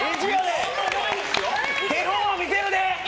手本を見せるで！